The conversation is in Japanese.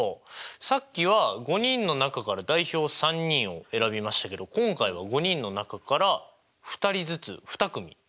さっきは５人の中から代表３人を選びましたけど今回は５人の中から２人ずつ２組。